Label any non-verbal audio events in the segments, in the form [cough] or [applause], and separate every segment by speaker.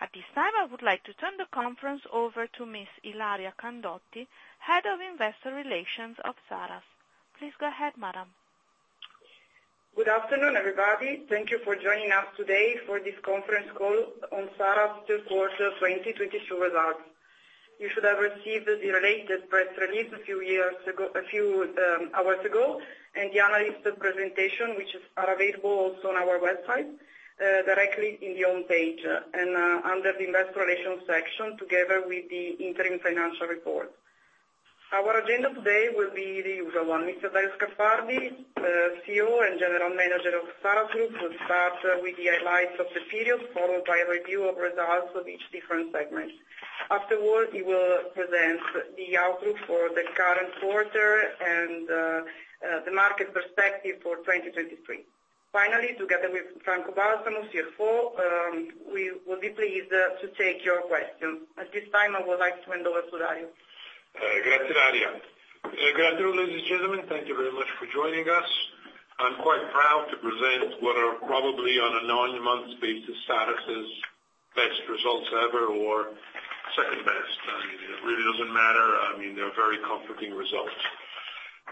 Speaker 1: Good afternoon, everybody. Thank you for joining us today for this conference call on Saras Q3 2022 results. You should have received the related press release a few hours ago. The analyst presentation, which are available also on our website directly in the home page and under the Investor Relations section, together with the interim financial report. Our agenda today will be the usual one. Mr. Dario Scaffardi, CEO and General Manager of Saras Group, will start with the highlights of the period, followed by a review of results of each different segment. Afterward, he will present the outlook for the current quarter and the market perspective for 2023. Finally, together with Franco Balsamo, CFO, we will be pleased to take your question. At this time, I would like to hand over to Dario.
Speaker 2: Grazie, Ilaria. Good afternoon, ladies and gentlemen. Thank you very much for joining us. I'm quite proud to present what are probably on a nine-month basis, Saras' best results ever or second best. I mean, it really doesn't matter. I mean, they're very comforting results.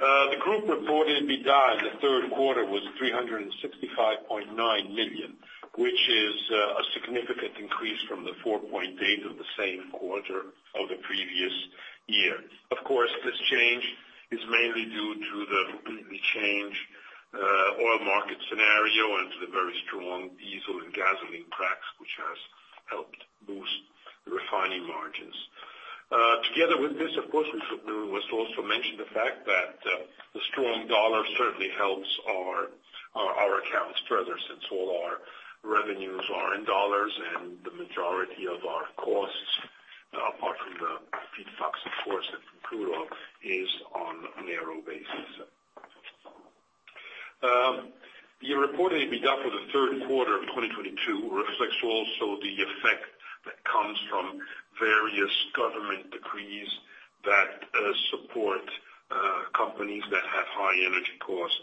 Speaker 2: The group reported EBITDA the Q3 was 365.9 million, which is a significant increase from the 4.8 million of the same quarter of the previous year. Of course, this change is mainly due to the completely changed oil market scenario and to the very strong diesel and gasoline cracks, which has helped boost the refining margins. Together with this, of course, we should, we must also mention the fact that, the strong dollar certainly helps our accounts further, since all our revenues are in dollars and the majority of our costs, apart from the feedstocks, of course, and from crude oil, is on an euro basis. The reported EBITDA for the Q3 of 2022 reflects also the effect that comes from various government decrees that support companies that have high energy costs.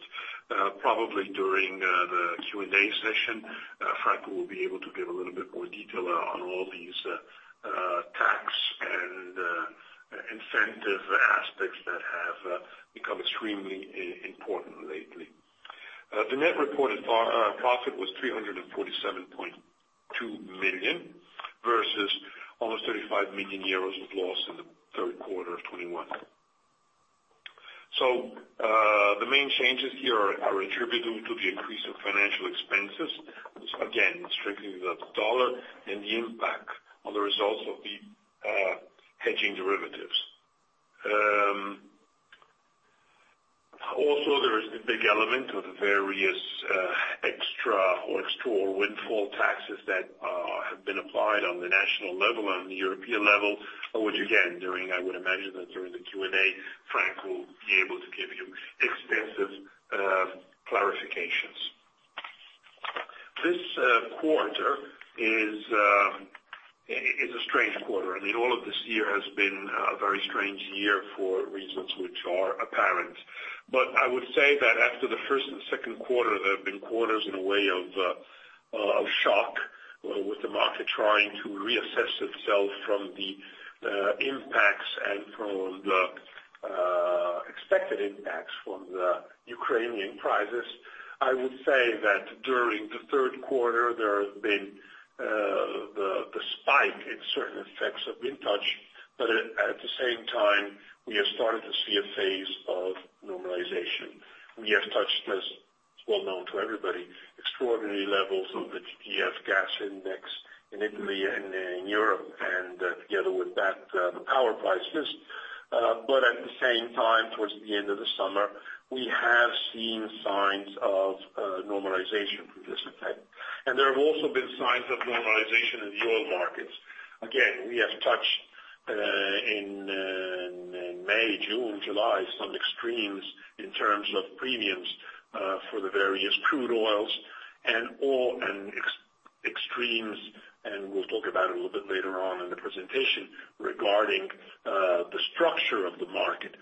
Speaker 2: Probably during the Q&A session, Franco will be able to give a little bit more detail on all these tax and incentive aspects that have become extremely important lately. The net reported profit was 347.2 million versus almost 35 million euros of loss in the Q3 of 2021. The main changes here are attributed to the increase of financial expenses. Again, strictly the dollar and the impact on the results of the hedging derivatives. Also there is the big element of the various extra windfall taxes that have been applied on the national level and the European level. Which again, I would imagine that during the Q&A, Franco will be able to give you extensive clarifications. This quarter is a strange quarter. I mean, all of this year has been a very strange year for reasons which are apparent. I would say that after the first and Q2, there have been quarters in a way of shock, with the market trying to reassess itself from the impacts and from the expected impacts from the Ukrainian crisis. I would say that during the Q3, there has been the spike in certain effects of wind tax, but at the same time, we have started to see a phase of normalization. We have touched, as is well known to everybody, extraordinary levels of the TTF gas index in Italy and in Europe, and together with that, the power prices. At the same time, towards the end of the summer, we have seen signs of normalization from this effect. There have also been signs of normalization in the oil markets. Again, we have touched in May, June, July, some extremes in terms of premiums for the various crude oils and all, and extremes, and we'll talk about it a little bit later on in the presentation, regarding the structure of the market,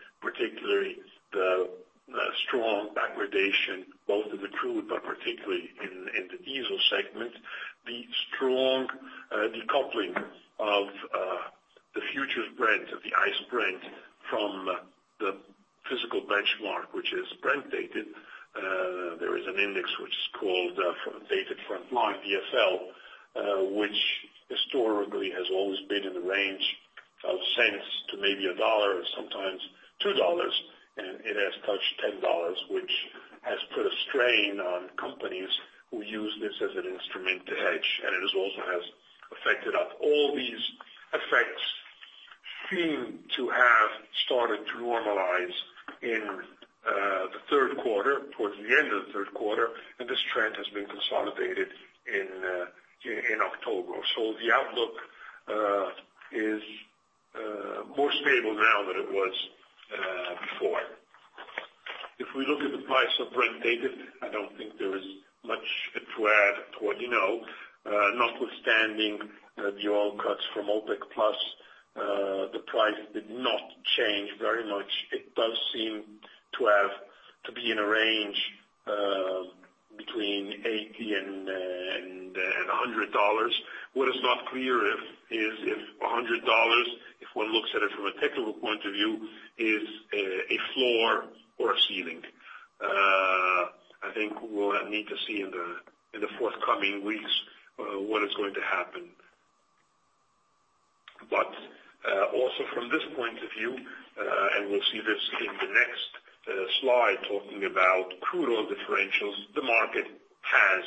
Speaker 2: slide, talking about crude oil differentials, the market has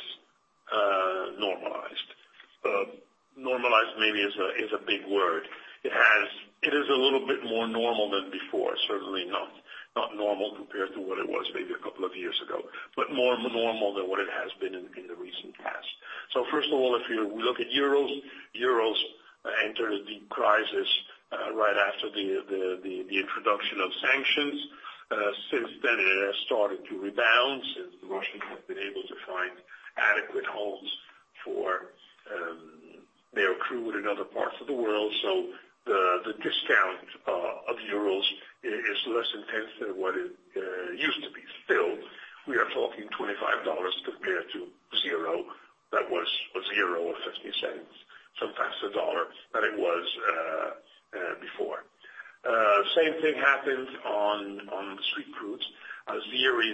Speaker 2: normalized. Normalized maybe is a big word. It is a little bit more normal than before. Certainly not normal compared to what it was maybe a couple of years ago, but more normal than what it has been in the recent past. First of all, if you look at Urals entered the crisis right after the introduction of sanctions. Since then it has started to rebound since the Russians have been able to find adequate homes for their crude in other parts of the world. The discount of Urals is less intense than what it used to be. Still, we are talking $25 compared to $0. That was $0 or $0.50, sometimes $1 than it was before. Same thing happened on the sweet crudes. CPC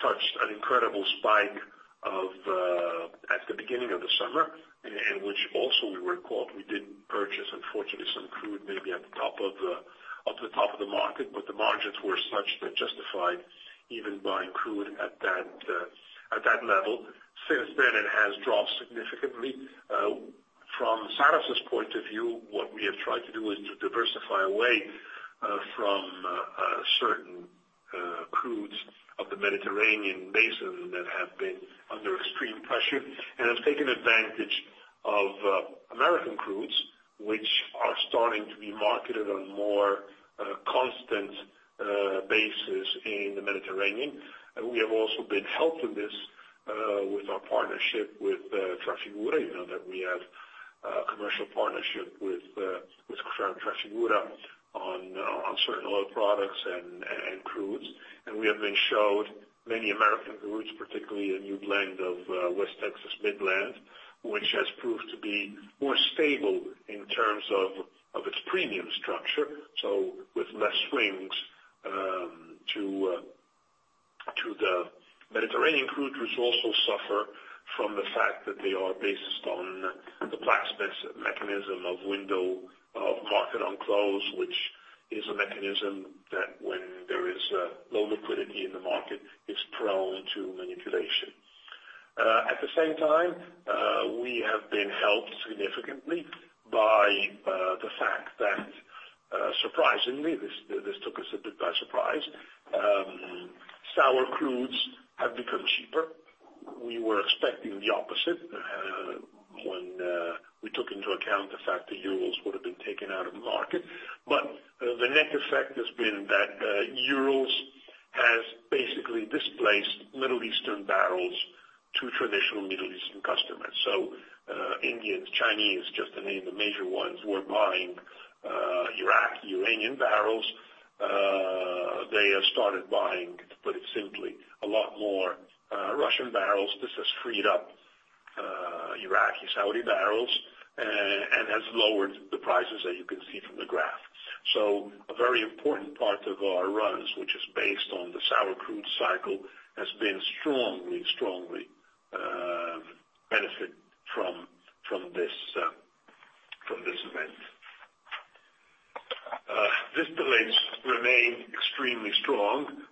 Speaker 2: touched an incredible spike at the beginning of the summer, and which also we recall, we did purchase, unfortunately, some crude, maybe at the top of the market, but the margins were such that justified even buying crude at that level. Since then, it has dropped significantly. From Saras' point of view, what we have tried to do is to diversify away from certain crudes of the Mediterranean Basin that have been under extreme pressure, and have taken advantage of American crudes, which are starting to be marketed on more constant basis in the Mediterranean. We have also been helped in this with our partnership with Trafigura. That we have a commercial partnership with Trafigura on certain oil products and crudes. We have been showed many American crudes, particularly a new blend of WTI Midland, which has proved to be more stable in terms of its premium structure, so with less swings to the Mediterranean crudes, which also suffer from the fact that they are based on the Platts mechanism of window of Market-on-Close, which is a mechanism that when there is low liquidity in the market, is prone to manipulation. At the same time, we have been helped significantly by the fact that, surprisingly, this took us a bit by surprise, sour crudes have become cheaper. We were expecting the opposite, when we took into account the fact that Urals would have been taken out of the market. The net effect has been that Urals has basically displaced Middle Eastern barrels to traditional Middle Eastern customers. Indians, Chinese, just to name the major ones, were buying Iraqi, Iranian barrels. They have started buying, to put it simply, a lot more Russian barrels. This has freed up Iraqi, Saudi barrels and has lowered the prices that you can see from the graph. A very important part of our runs, which is based on the sour crude cycle, has been strongly benefit from this event. Middle Distillates remain extremely strong.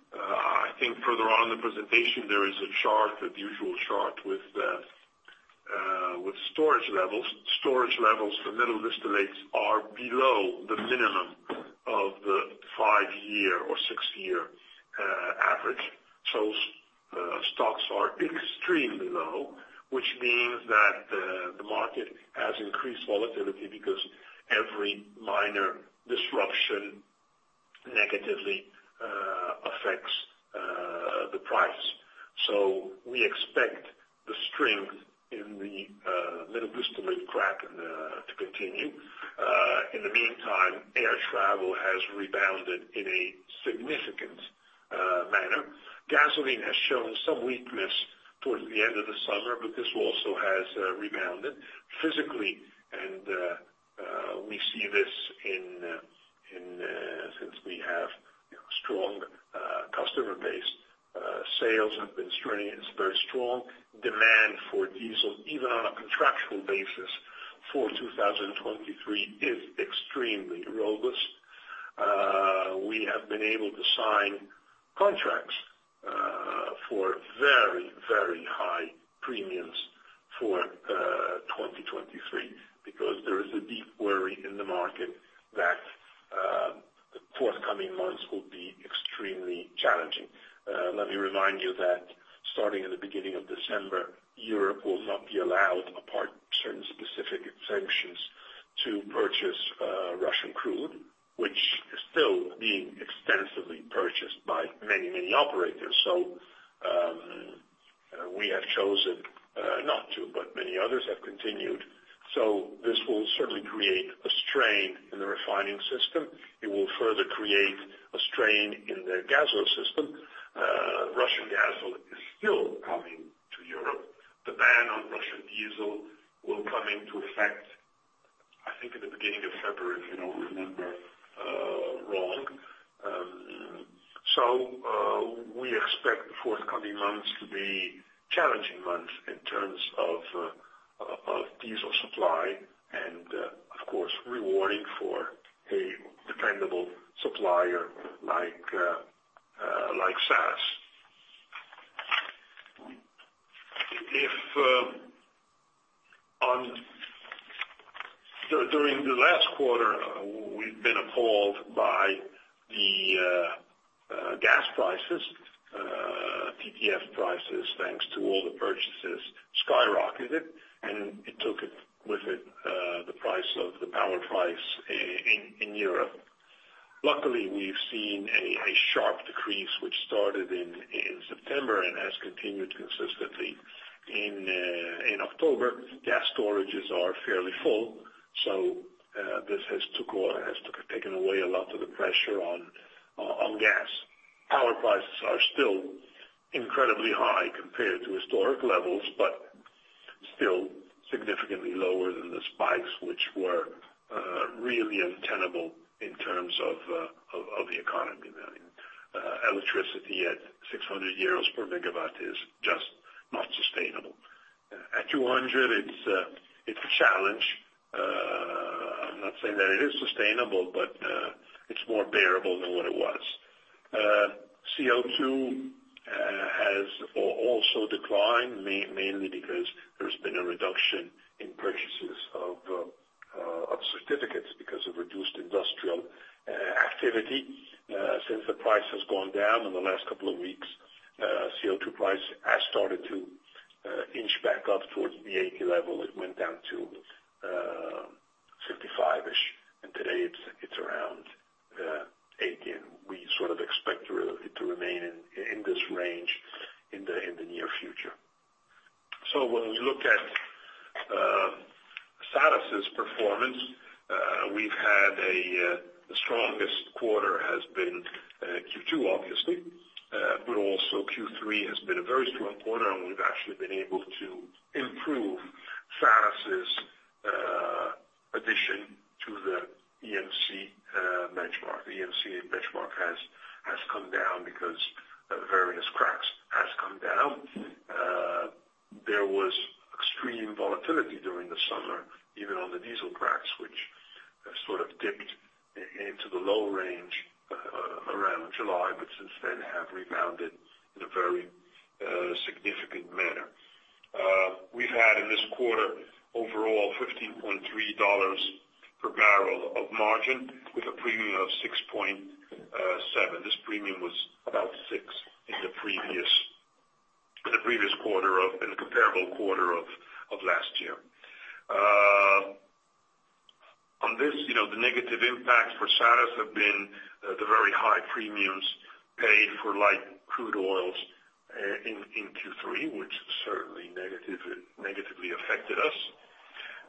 Speaker 2: to purchase Russian crude, which is still being extensively purchased by many operators. We have chosen not to, but many others have continued. This will certainly create a strain in the refining system. It will further create a strain in the gasoline system. Russian gasoline is still coming to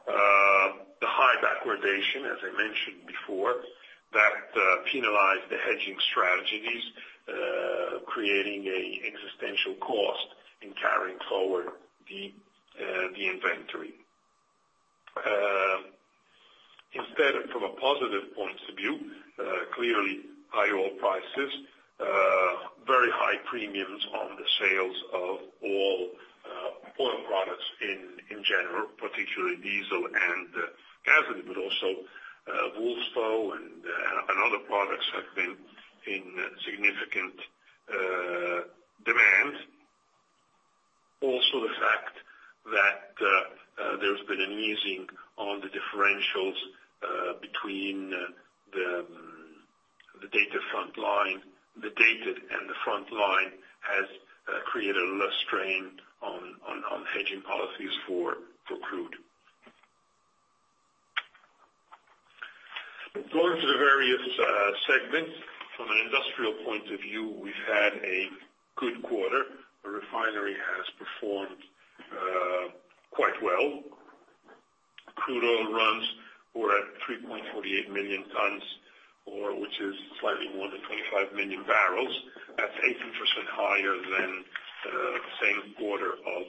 Speaker 2: The high backwardation, as I mentioned before, that penalized the hedging strategies, creating an additional cost in carrying forward the inventory. Instead, from a positive point of view, clearly, high oil prices, very high premiums on the sales of all oil products in general, particularly diesel and gasoline, but also fuel oil and other products have been in significant demand. Also, the fact that there's been an easing on the differentials between the Dated and the Front Line has created less strain on hedging policies for crude. Going to the various segments. From an industrial point of view, we've had a good quarter. The refinery has performed quite well. Crude oil runs were at 3.48 million tons, which is slightly more than 25 million barrels. That's 18% higher than the same quarter of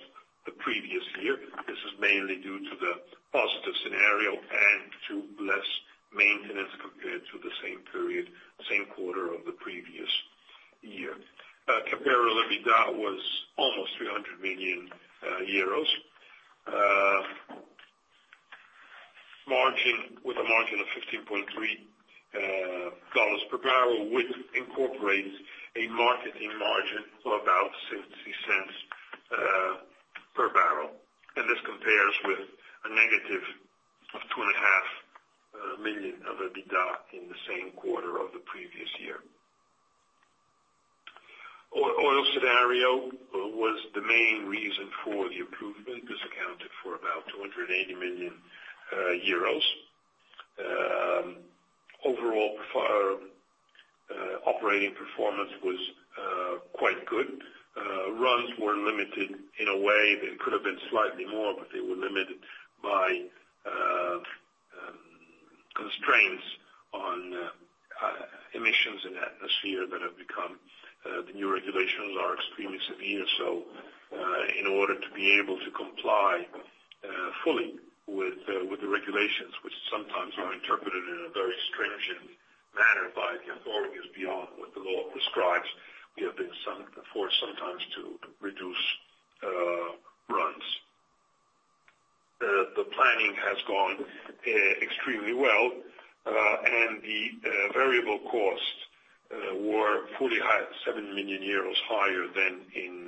Speaker 2: the previous year. This is mainly due to the positive scenario and to less maintenance compared to the same period, same quarter of the previous year. Comparable EBITDA was almost EUR 300 million. Margin, with a margin of $15.3 per barrel, which incorporates a marketing margin of about $0.60 per barrel. This compares with a negative of 2.5 million of EBITDA in the same quarter of the previous year. Oil scenario was the main reason for the improvement. This accounted for about 280 million euros. Overall operating performance was quite good. Runs were limited in a way that could have been slightly more, but they were limited by constraints on emissions in the atmosphere that have become. The new regulations are extremely severe. In order to be able to comply fully with the regulations, which sometimes are interpreted in a very stringent manner by the authorities beyond what the law prescribes, we have been forced sometimes to reduce runs. The planning has gone extremely well, and the variable costs were 7 million euros higher than in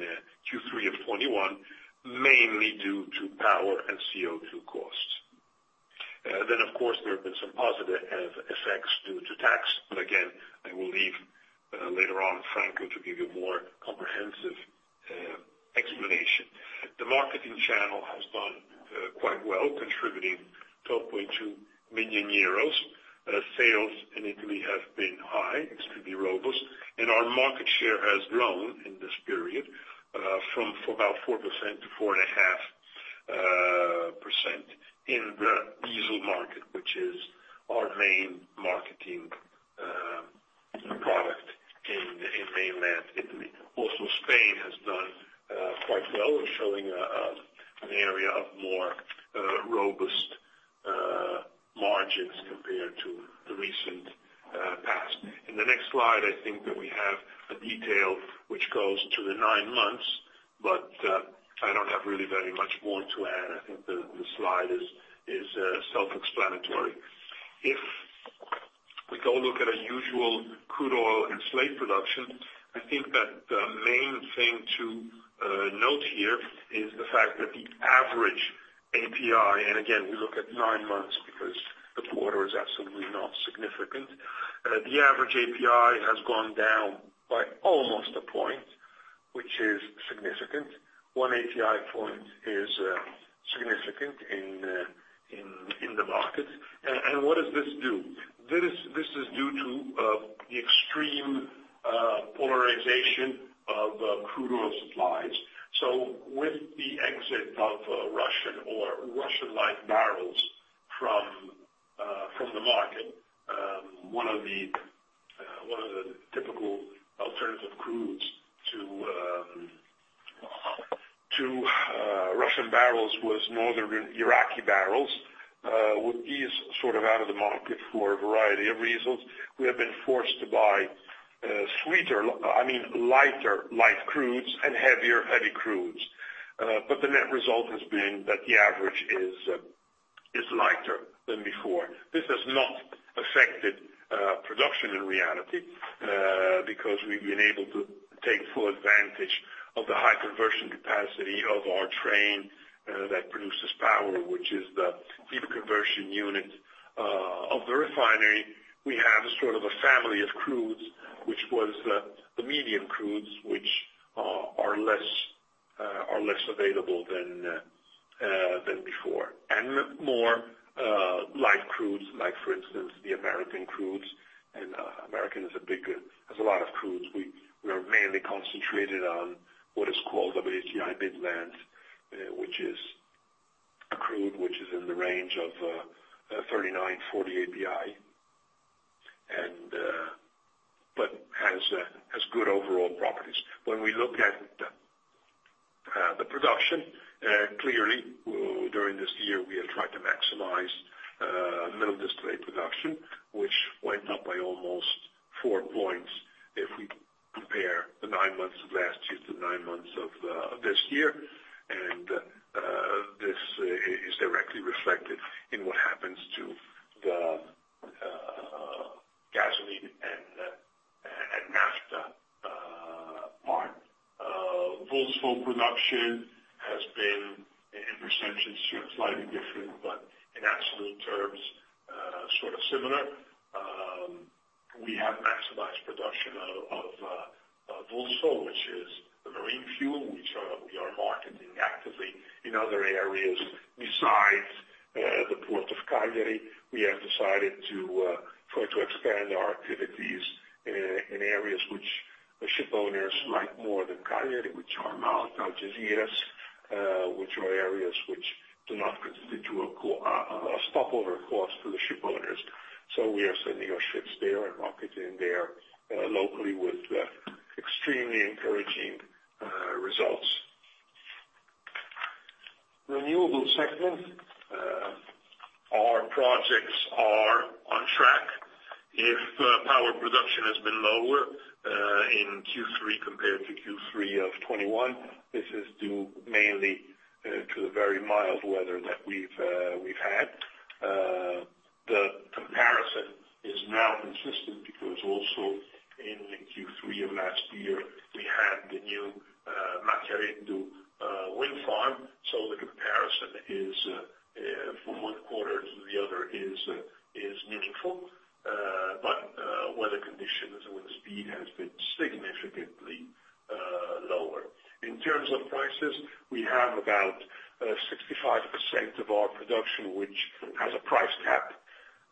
Speaker 2: Q3 of 2021, mainly due to power and CO2 costs. Of course, there have been some positive effects due to tax. Again, I will leave later on for Franco to give you more comprehensive explanation. The marketing channel has done quite well, contributing 12.2 million euros. Sales in Italy have been high, extremely robust, and our market share has grown in this period from about 4%-4.5% in the diesel market, which is our main marketing product in mainland Italy. Also Spain has done quite well and showing an area of more robust margins compared to the recent past. In the next slide, I think that we have a detail which goes to the nine months, but I don't have really very much more to add. I think the slide is self-explanatory. If we go look at a usual crude oil and slate production, I think that the main thing to note here is the fact that the average API, and again, we look at nine months because the quarter is absolutely not significant. The average API has gone down by almost a point, which is significant. One API point is significant in the market. What does this do? This is due to the extreme polarization of crude oil supplies. With the exit of Russian or Russian-like barrels from the market, one of the typical alternative crudes to Russian barrels was Northern Iraqi barrels. With these out of the market for a variety of reasons, we have been forced to buy, I mean, lighter light crudes and heavier heavy crudes. The net result has been that the average is lighter than before. This has not affected production in reality, because we've been able VLSFO, which is the marine fuel, which we are marketing actively in other areas besides the Port of Cagliari. We have decided to try to expand our activities in areas which the shipowners like more than Cagliari, which are Malta, Algeciras, which are areas which do not constitute a stopover cost for the shipowners. We are sending our ships there and marketing there locally with extremely encouraging results. Renewable segment. Our projects are on track. If power production has been lower in Q3 compared to Q3 of 2021, this is due mainly to the very mild weather that we've had. The comparison is now consistent because also in Q3 of last year, we had the new Macchiareddu wind farm. The comparison from one quarter to the other is meaningful. Weather conditions or wind speed has been significantly lower. In terms of prices, we have about 65% of our production, which has a price cap.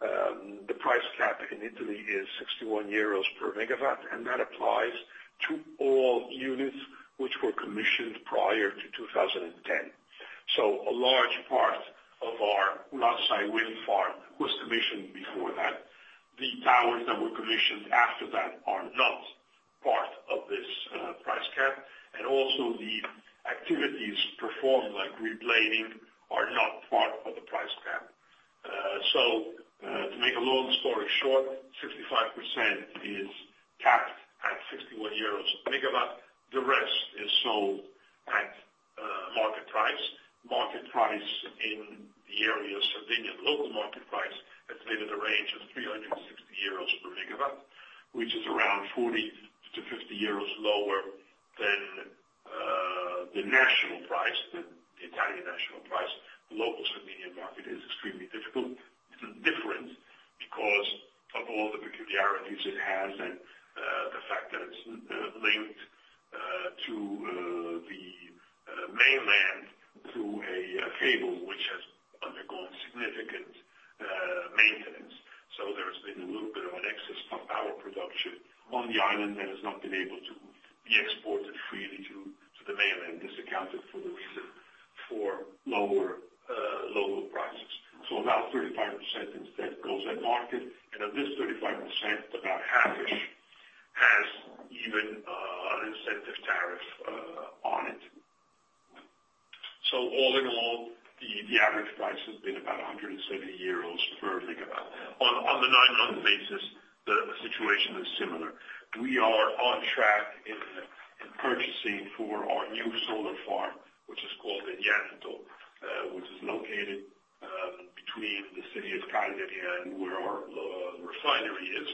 Speaker 2: The price cap in Italy is 61 euros per megawatt, and that applies to all units which were commissioned prior to 2010. A large part of our Ulassai wind farm was commissioned before that. The towers that were commissioned after that are not part of this price cap. Also the activities performed, like reblading, are not part of the price cap. To make a long story short, 65% is capped at 61 euros a megawatt. The rest is sold at market price. Market price in the area of Sardinia, local market price, has been in the range of 360 euros per MW, which is around 40-50 euros lower than the national price, the Italian national price. The local Sardinian market is extremely difficult. It's different because of all the peculiarities it has and the fact that it's linked to the mainland through a cable which has undergone significant maintenance. There's been a little bit of an excess of power production on the island that has not been able to be exported freely to the mainland. This accounted for the reason for lower local prices. About 35% instead goes at market. Of this 35%, about half-ish has even an incentive tariff on it. All in all, the average price has been about 170 euros per megawatt. On the nine-month basis, the situation is similar. We are on track in purchasing for our new solar farm, which is called the Helianto, which is located between the city of Cagliari and where our refinery is,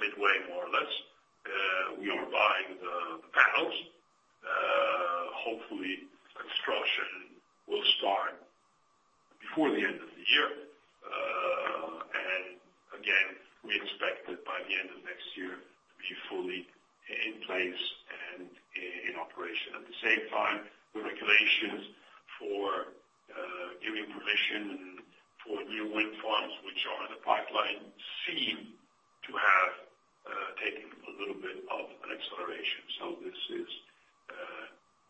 Speaker 2: midway more or less. We are buying the panels. Hopefully construction will start before the end of the year. And again, we expect that by the end of next year to be fully in place and in operation. At the same time, the regulations for giving permission for new wind farms which are in the pipeline seem to have taken a little bit of an acceleration. This is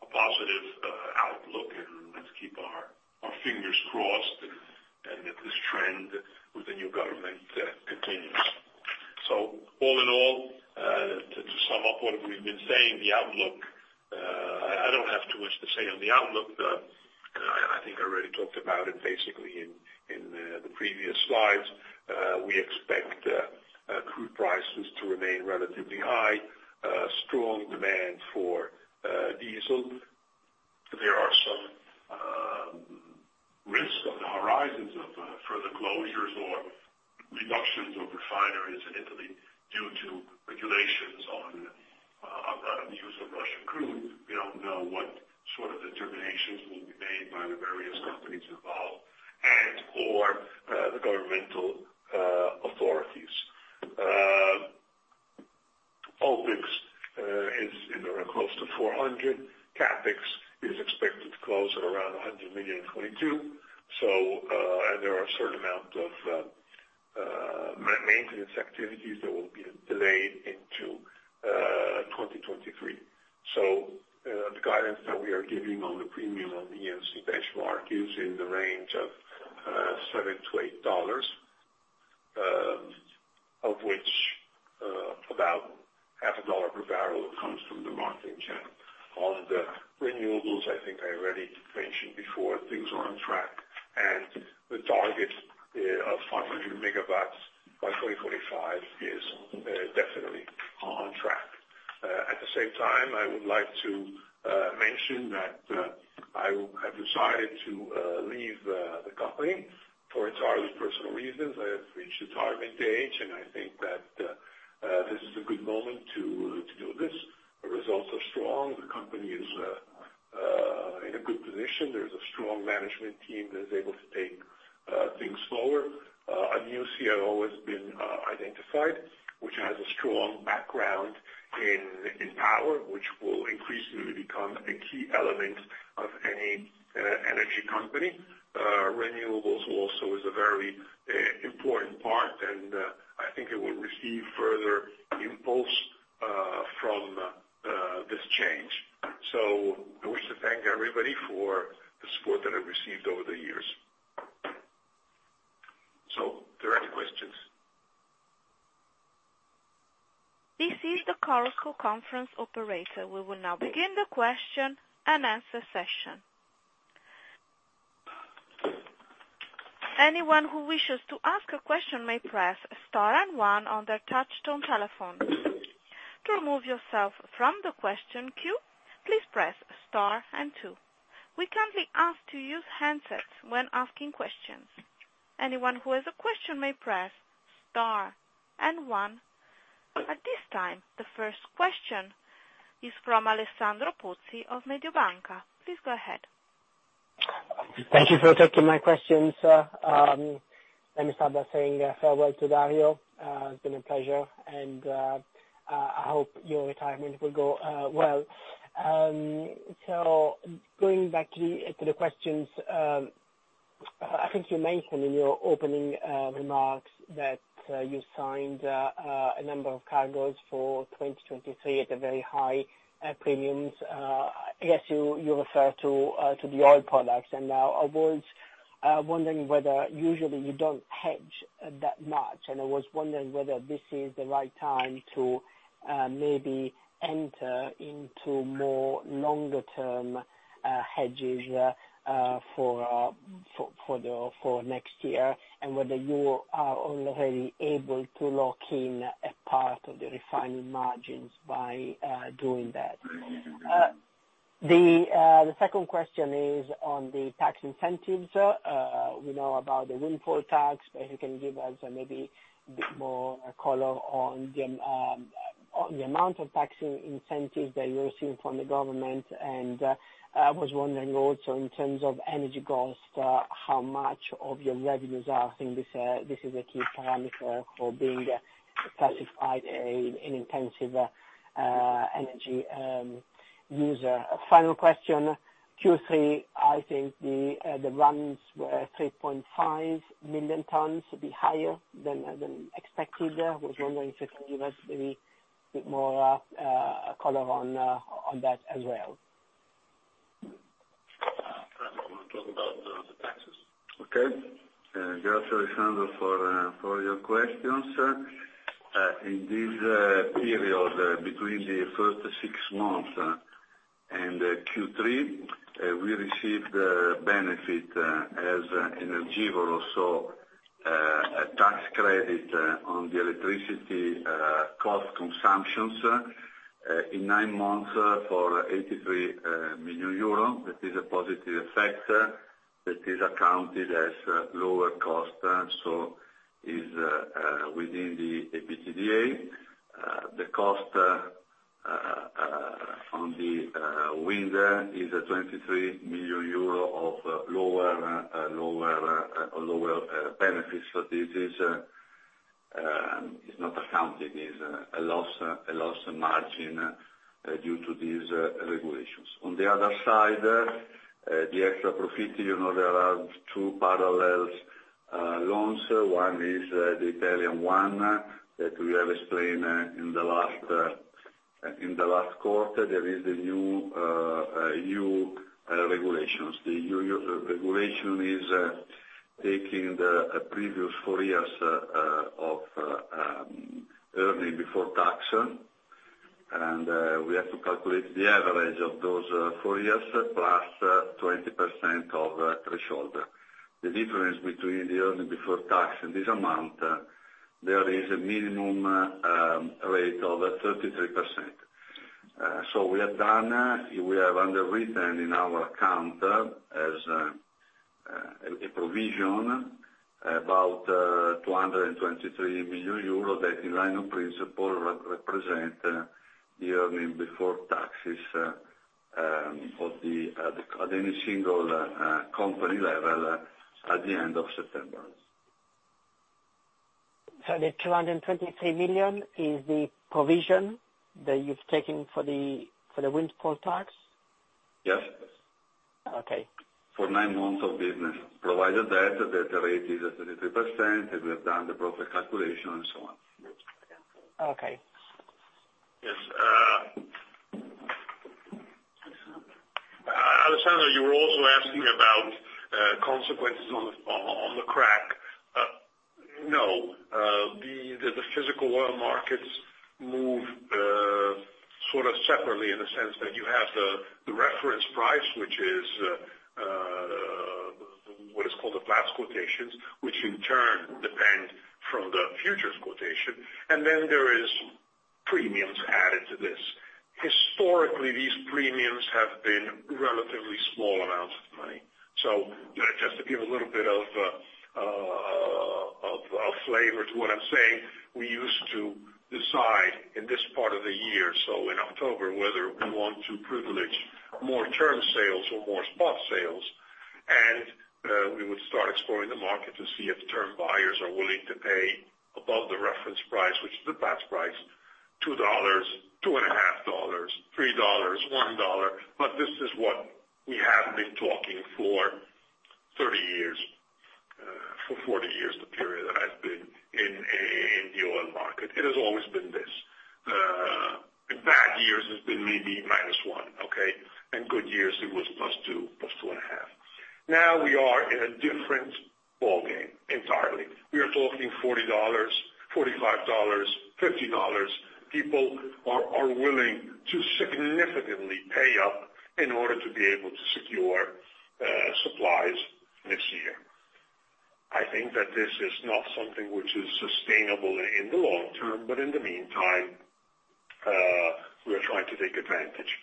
Speaker 2: a positive outlook, and let's keep our fingers crossed and that this trend with the new government continues. All in all, to sum up what we've been saying, the outlook, I don't have too much to say on the outlook. I think I already talked about it basically in the previous slides. We expect crude prices to remain relatively high, strong demand for diesel. There are some risks on the horizons of further closures or reductions of refineries in Italy due to regulations on the use of Russian crude. We don't know what determinations will be made by the various companies involved and or the governmental authorities. OpEx is in or close to EUR 400. CapEx is expected to close at around EUR 100 million in 2022. There are a certain amount of maintenance activities that will be delayed into 2023. The guidance that we are giving on the premium on the EMC benchmark is in the range of $7-$8, of which about half a dollar per barrel comes from the marketing channel. On the renewables, I think I already mentioned before, things are on track. The target of 500 MW by 2045 is definitely on track. At the same time, I would like to mention that I have decided to leave the company for entirely personal reasons. I have reached a retirement age, and I think that this is a good moment to do this. The results are strong. The company is in a good position. There's a strong management team that is able to take things forward. A new CEO has been identified, which has a strong background in power, which will increasingly become a key element of any energy company. Renewables also is a very important part, and I think it will receive further impulse from this change. I wish to thank everybody for the support that I received over the years. Are there any questions?
Speaker 3: Thank you for taking my questions, sir. Let me start by saying farewell to Dario. It's been a pleasure and I hope your retirement will go well. Going back to the questions, I think you mentioned in your opening remarks that you signed a number of cargoes for 2023 at a very high premiums. I guess you refer to the oil products. Now, I was wondering whether usually you don't hedge that much, and I was wondering whether this is the right time to maybe enter into more longer term hedges for next year and whether you are already able to lock in a part of the refining margins by doing that. The second question is on the tax incentives. We know about the windfall tax. If you can give us maybe a bit more color on the amount of tax incentives that you're receiving from the government. I was wondering also in terms of energy costs, how much of your revenues are. I think this is a key parameter for being classified an intensive energy user. Final question. Q3, I think the runs were 3.5 million tons, a bit higher than expected. I was wondering if you can give us maybe a bit more color on that as well.
Speaker 2: I will talk about the taxes.
Speaker 4: Okay. Thanks, Alessandro, for your questions. In this period between the first six months and Q3, we received benefit as Energivoro, so a tax credit on the electricity cost consumptions in nine months for 83 million euros. That is a positive effect that is accounted as lower cost, so is within the EBITDA. The cost on the wind is EUR 23 million of lower benefits. So this is not accounting, is a loss margin due to these regulations. On the other side, the extra profit, there are two parallel loans. One is the Italian one that we have explained in the last quarter. There is a new regulations. The new regulation is taking the previous four years of earnings before tax. We have to calculate the average of those four years plus 20% threshold. The difference between the earnings before tax and this amount, there is a minimum rate of 33%. We have underwritten in our account as a provision about 223 million euros that, in principle, represent the earnings before taxes of the at any single company level at the end of September.
Speaker 3: 223 million is the provision that you've taken for the windfall tax?
Speaker 4: Yes.
Speaker 3: Okay.
Speaker 4: For nine months of business, provided that the rate is at 33%, and we have done the proper calculation and so on.
Speaker 3: Okay.
Speaker 2: Yes. Alessandro, you were also asking about consequences on the crack. No. The physical oil markets move separately in the sense that you have the reference price, which is what is called the Platts quotations, which in turn depend from the futures quotation. There is premiums added to this. Historically, these premiums have been relatively small amounts of money. Just to give a little bit of flavor to what I'm saying, we used to decide in this part of the year, so in October, whether we want to privilege more term sales or more spot sales. We would start exploring the market to see if the term buyers are willing to pay above the reference price, which is the Platts price, $2, $2.5, $3, $1. This is what we have been talking for 30 years, for 40 years, the period I've been in the oil market. It has always been this. Three B minus one, okay? In good years, it was +2, +2.5. Now we are in a different ballgame entirely. We are talking $40, $45, $50. People are willing to significantly pay up in order to be able to secure supplies next year. I think that this is not something which is sustainable in the long term, but in the meantime, we are trying to take advantage.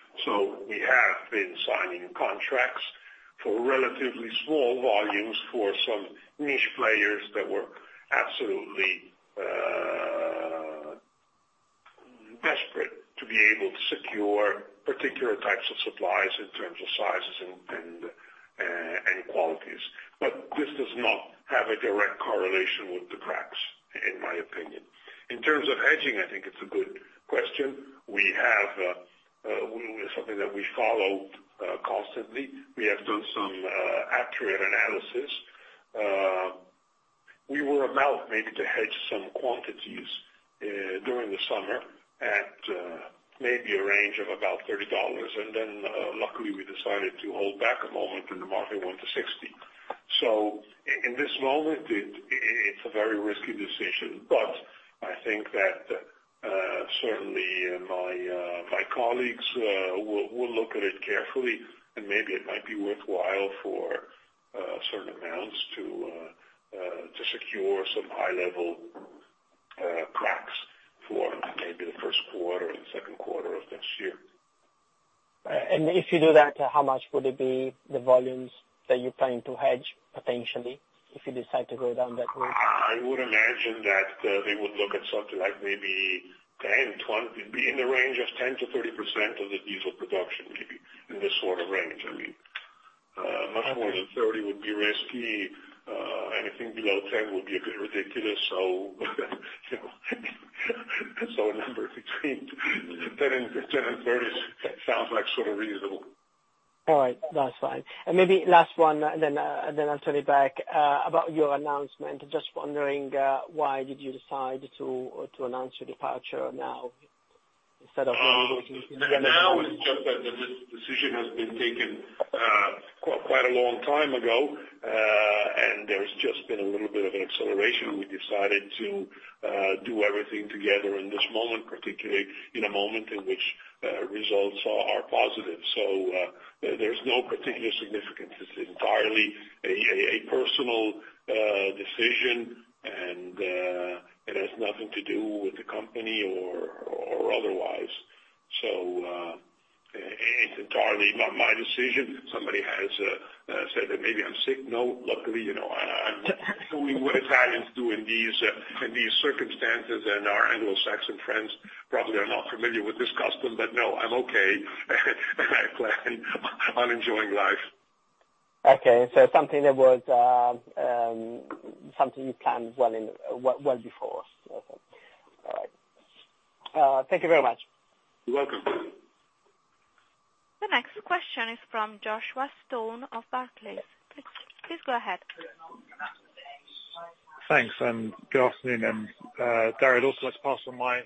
Speaker 2: We have been signing contracts for relatively small volumes for some niche players that were absolutely desperate to be able to secure particular types of supplies in terms of sizes and qualities. This does not have a direct correlation with the cracks, in my opinion. In terms of hedging, I think it's a good question. We have something that we followed constantly. We have done some accurate analysis. We were about maybe to hedge some quantities during the summer at maybe a range of about $30. Then, luckily we decided to hold back a moment and the market went to $60. In this moment, it's a very risky decision, but I think that certainly my colleagues will look at it carefully, and maybe it might be worthwhile for certain amounts to secure some high-level cracks for maybe the Q1 and Q2 of next year.
Speaker 3: If you do that, how much would it be, the volumes that you're planning to hedge potentially, if you decide to go down that route?
Speaker 2: I would imagine that, they would look at something like maybe 10, 20. Be in the range of 10%-30% of the diesel production, maybe. In this range. I mean, much more than 30 would be risky. Anything below 10 would be a bit ridiculous. A number between 10 and 30 sounds, like, sort of reasonable.
Speaker 3: All right. That's fine. Maybe last one, and then I'll turn it back. About your announcement. Just wondering why you decided to announce your departure now instead of-
Speaker 2: Now it's just that this decision has been taken quite a long time ago. There's just been a little bit of an acceleration. We decided to do everything together in this moment, particularly in a moment in which results are positive. There's no particular significance. It's entirely a personal decision and it has nothing to do with the company or otherwise. It's entirely not my decision. Somebody has said that maybe I'm sick. No, luckily, I'm doing what Italians do in these circumstances, and our Anglo-Saxon friends probably are not familiar with this custom, but no, I'm okay, and I plan on enjoying life.
Speaker 3: Okay. Something you planned well before. Okay. All right. Thank you very much.
Speaker 2: You're welcome.
Speaker 5: Thanks, good afternoon. Dario, I'd also like to pass on my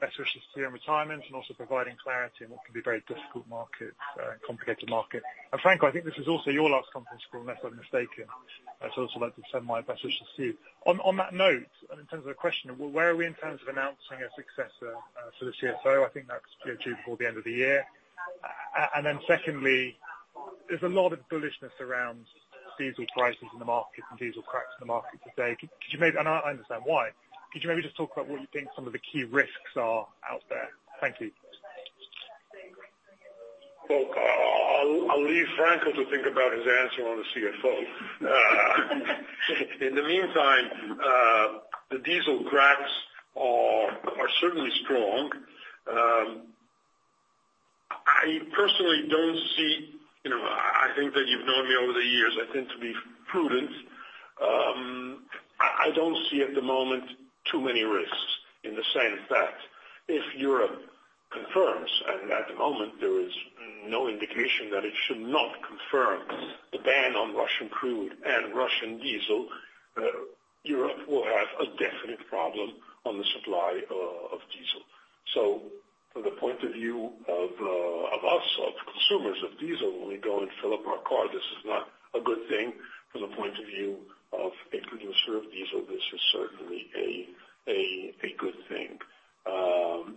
Speaker 5: best wishes to you in retirement and also providing clarity in what can be a very difficult market, and complicated market. Franco, I think this is also your last conference call, unless I'm mistaken. I'd also like to send my best wishes to you. On that note, in terms of a question, where are we in terms of announcing a successor for the CFO? I think that's, due before the end of the year. Then secondly, there's a lot of bullishness around diesel prices in the market and diesel cracks in the market today. I understand why. Could you maybe just talk about what you think some of the key risks are out there? Thank you.
Speaker 2: Well, I'll leave Franco to think about his answer on the CFO. In the meantime, the diesel cracks are certainly strong. I personally don't see. I think that you've known me over the years. I tend to be prudent. I don't see at the moment too many risks. In fact, if Europe confirms, and at the moment there is no indication that it should not confirm the ban on Russian crude and Russian diesel, Europe will have a definite problem on the supply of diesel. From the point of view of us, of consumers of diesel, when we go and fill up our car, this is not a good thing. From the point of view of a producer of diesel, this is certainly a good thing.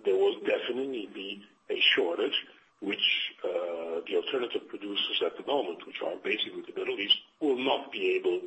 Speaker 2: There will definitely be a shortage, which the alternative producers at the moment, which are basically the Middle East, will not be able to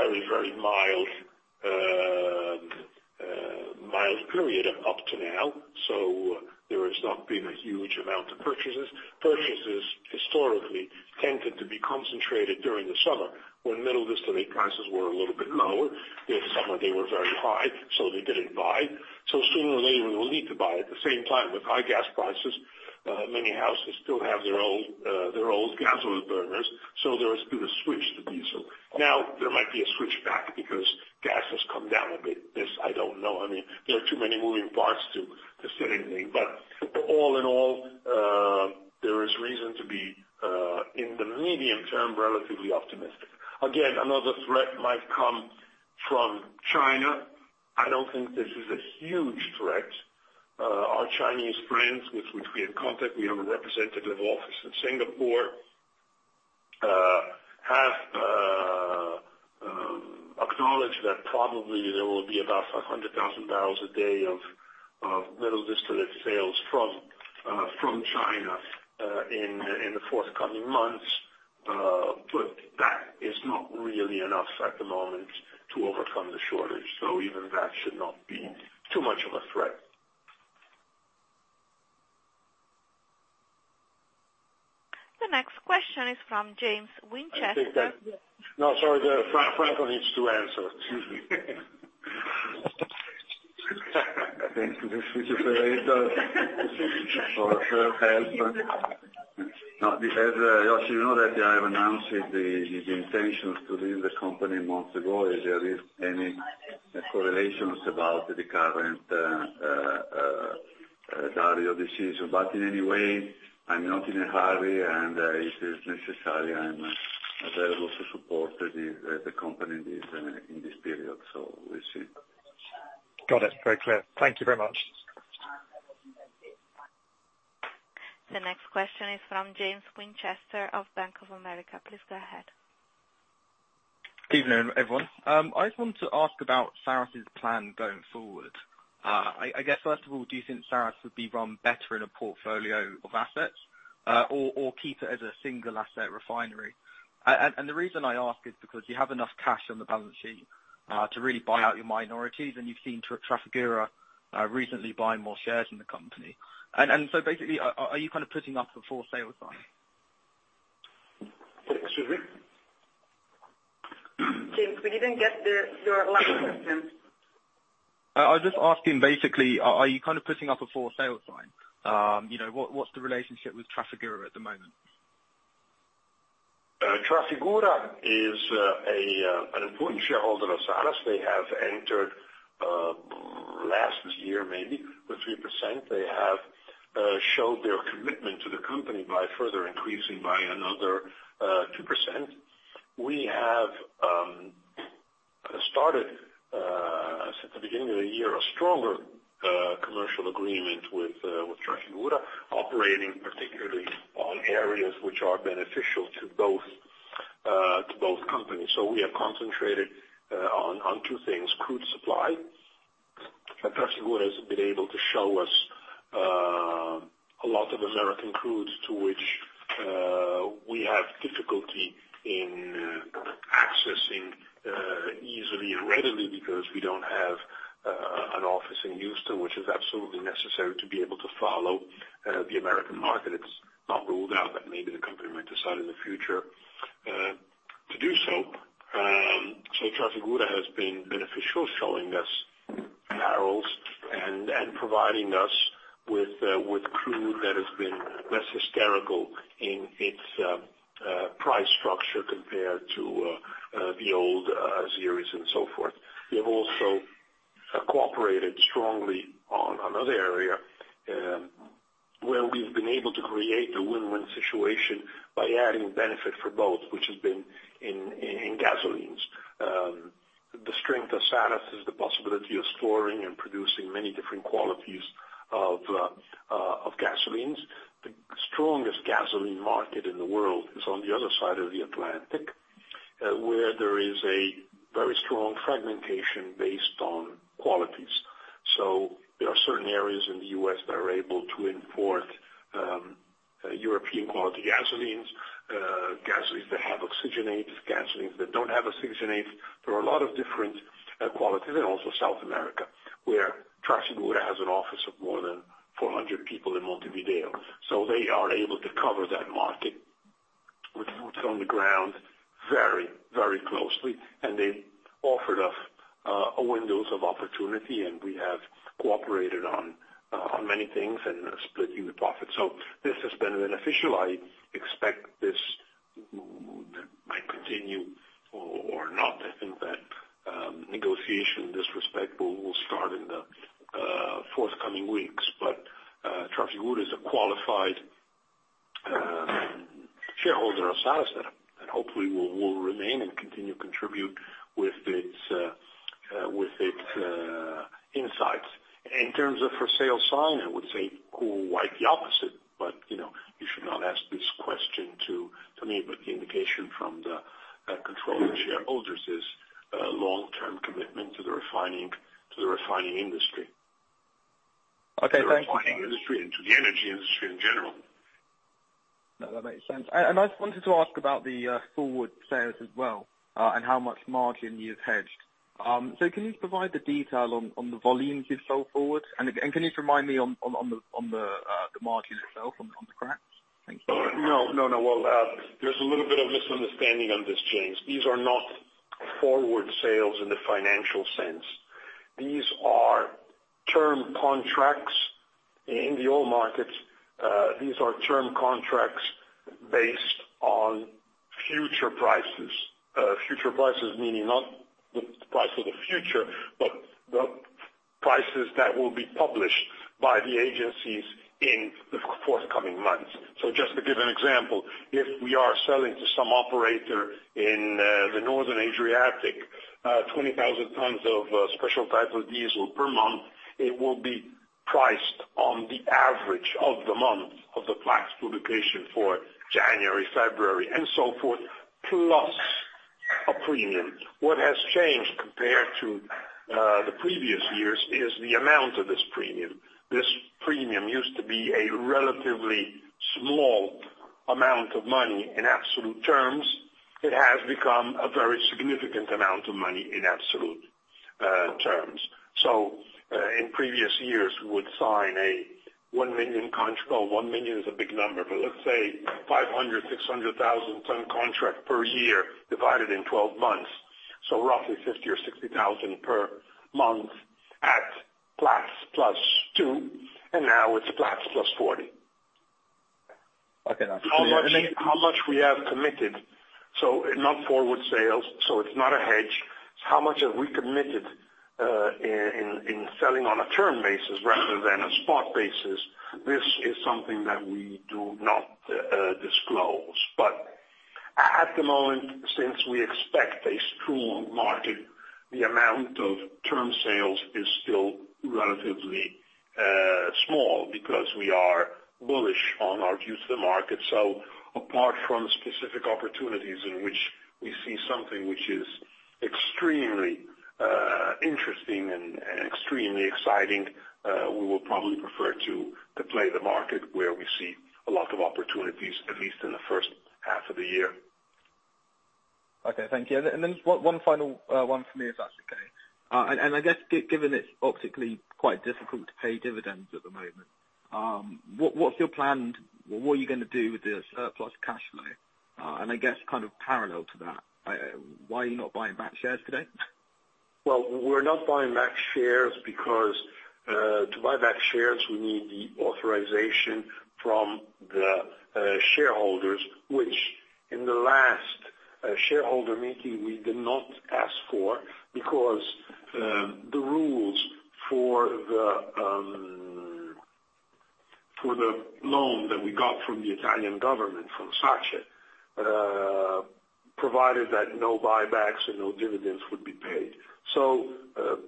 Speaker 2: hit middle distillate demand worldwide that much. There is a strong demand for diesel in all developing countries in Africa and South America and of course in Europe. There is also one aspect which I think is not accounted for entirely, which is heating oil in Germany. Germany still has a significant use of heating oil for heating purposes. We've had very, very mild period up to now, so there has not been a huge amount of purchases. Purchases historically tended to be concentrated during the summer when middle distillates prices were a little bit lower. This summer they were very high, so they didn't buy. Sooner or later, we will need to buy. At the same time, with high gas prices, many houses still have their old gas oil burners, so there has been a switch to diesel. Now, there might be a switch back because gas has come down a bit. This I don't know. I mean, there are too many moving parts to certainly. All in all, there is reason to be in the medium term, relatively optimistic. Again, another threat might come from China. I don't think this is a huge threat. Our Chinese friends with which we have contact, we have a representative office in Singapore, have acknowledged that probably there will be about 100,000 barrels a day of middle distillate sales from China in the forthcoming months. That is not really enough at the moment to overcome the shortage, so even that should not be too much of a threat. No, sorry. Franco needs to answer. Excuse me.
Speaker 4: Thank you. This is for the help. No, because, that I have announced the intentions to leave the company months ago. If there is any correlation about the current Dario decision. In any way, I'm not in a hurry, and, if it is necessary, I'm available to support the company in this period. We'll see.
Speaker 5: Got it. Very clear. Thank you very much.
Speaker 6: Evening, everyone. I just wanted to ask about Saras' plan going forward. I guess first of all, do you think Saras would be run better in a portfolio of assets, or keep it as a single asset refinery? The reason I ask is because you have enough cash on the balance sheet to really buy out your minorities, and you've seen Trafigura recently buying more shares in the company. Basically, are you putting up a for sale sign?
Speaker 2: [crosstalk]
Speaker 6: I was just asking, basically, are you putting up a for sale sign? what's the relationship with Trafigura at the moment?
Speaker 2: Trafigura is an important shareholder of Saras. They have entered last year, maybe with 3%. They have showed their commitment to the company by further increasing, buying another 2%. We have started at the beginning of the year a stronger commercial agreement with Trafigura, operating particularly on areas which are beneficial to both companies. We have concentrated on two things, crude supply, and Trafigura has been able to show us with its insights. In terms of for sale sign, I would say quite the opposite. You should not ask this question to me. The indication from the controlling shareholders is a long-term commitment to the refining industry.
Speaker 6: Okay, thank you.
Speaker 2: To the refining industry and to the energy industry in general.
Speaker 6: No, that makes sense. I just wanted to ask about the forward sales as well, and how much margin you've hedged. Can you provide the detail on the volumes you've sold forward? Can you just remind me on the margin itself, on the cracks? Thank you.
Speaker 2: No, no. Well, there's a little bit of misunderstanding on this, James. These are not forward sales in the financial sense. These are term contracts in the oil markets. These are term contracts based on future prices. Future prices meaning not the price of the future, but the prices that will be published by the agencies in the forthcoming months. Just to give an example, if we are selling to some operator in the Northern Adriatic, 20,000 tons of special type of diesel per month, it will be priced on the average of the month of the Platts publication for January, February and so forth, plus a premium. What has changed compared to the previous years is the amount of this premium. This premium used to be a relatively small amount of money in absolute terms. It has become a very significant amount of money in absolute terms. In previous years, we would sign a 1 million contract. Well, one million is a big number. Let's say 500-600 thousand ton contract per year divided in 12 months, so roughly 50 or 60 thousand per month at Platts plus two, and now it's Platts plus 40.
Speaker 6: Okay, that's clear.
Speaker 2: How much we have committed, so not forward sales, so it's not a hedge. How much have we committed, in selling on a term basis rather than a spot basis, this is something that we do not disclose. At the moment, since we expect a strong market, the amount of term sales is still relatively small because we are bullish on our views of the market. Apart from specific opportunities in which we see something which is extremely interesting and extremely exciting, we will probably prefer to play the market where we see a lot of opportunities, at least in the first half of the year.
Speaker 6: Okay, thank you. One final one for me, if that's okay. I guess given it's obviously quite difficult to pay dividends at the moment, what's your plan? What are you gonna do with the surplus cash flow? I guess parallel to that, why are you not buying back shares today?
Speaker 2: Well, we're not buying back shares because to buy back shares, we need the authorization from the shareholders, which in the last shareholder meeting we did not ask for because the rules for the loan that we got from the Italian government, from SACE, provided that no buybacks and no dividends would be paid.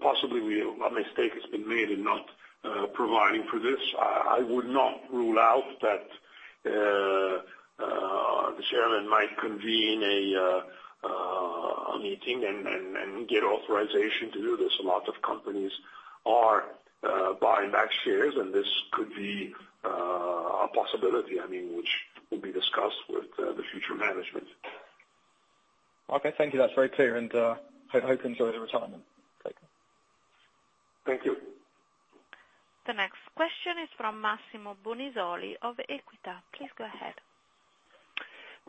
Speaker 2: Possibly a mistake has been made in not providing for this. I would not rule out that the chairman might convene a meeting and get authorization to do this. A lot of companies are buying back shares, and this could be a possibility, I mean, which will be discussed with the future management.
Speaker 6: Okay, thank you. That's very clear. Hope you enjoy your retirement. Take care.
Speaker 2: Thank you.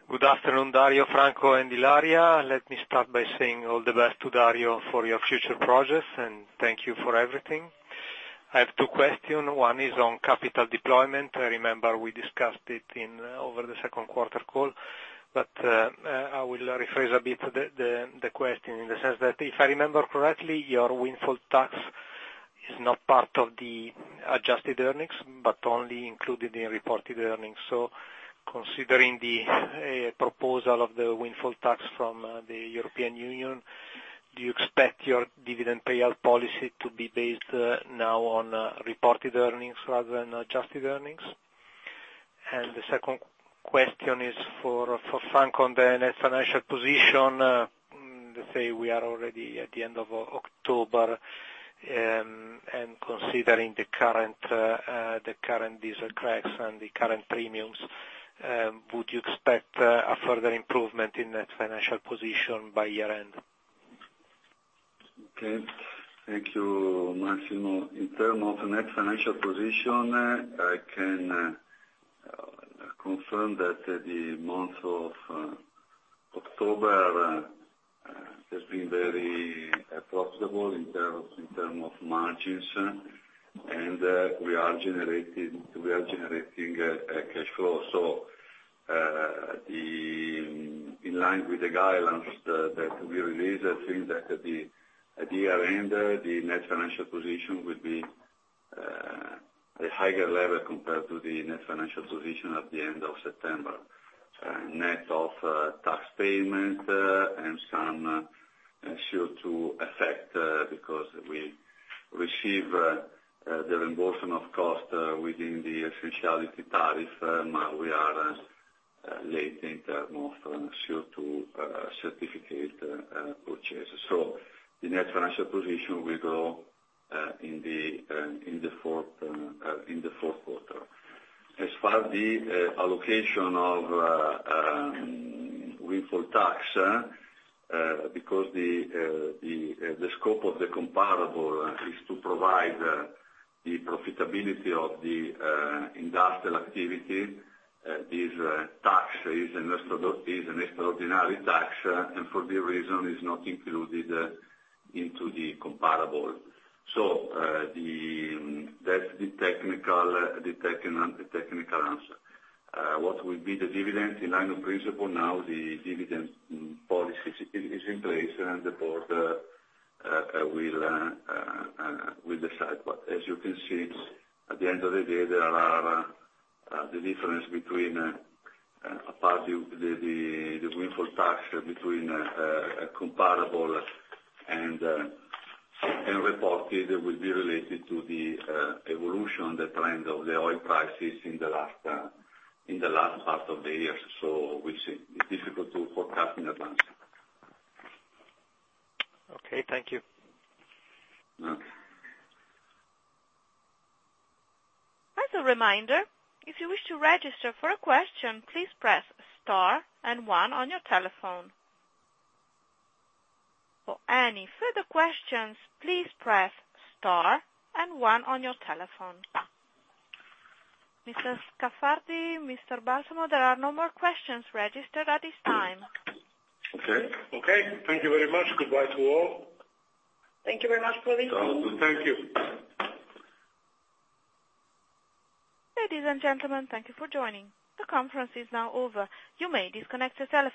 Speaker 7: Good afternoon, Dario, Franco, and Ilaria. Let me start by saying all the best to Dario for your future projects and thank you for everything. I have two question. One is on capital deployment. I remember we discussed it in over the Q2 call, but I will rephrase a bit the question in the sense that if I remember correctly, your windfall tax is not part of the adjusted earnings, but only included in reported earnings. Considering the proposal of the windfall tax from the European Union, do you expect your dividend payout policy to be based now on reported earnings rather than adjusted earnings? The second question is for Franco on the net financial position. Say we are already at the end of October, and considering the current diesel cracks and the current premiums, would you expect a further improvement in net financial position by year-end?
Speaker 4: Okay. Thank you, Massimo. In terms of net financial position, I can confirm that the month of October has been very profitable in terms of margins. We are generating cash flow. In line with the guidelines that we released, I think that at the year-end, the net financial position at a higher level compared to the net financial position at the end of September. Net of tax payment and some surety to affect, because we receive the reimbursement of costs within the officiality tariff, we are late in terms of surety certificate purchase. The net financial position will grow in the Q4. As far as the allocation of windfall tax, because the scope of the comparable is to provide the profitability of the industrial activity, is an extraordinary tax, and for that reason is not included into the comparable. That's the technical answer. What will be the dividend in principle now, the dividend policy is in place, and the board will decide. As you can see, at the end of the day, there are the difference between a party. The windfall tax between a comparable and reported will be related to the evolution, the trend of the oil prices in the last part of the year. It's difficult to forecast in advance
Speaker 2: Okay. Thank you very much. Goodbye to all.
Speaker 4: Thank you.